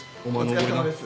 お疲れさまです。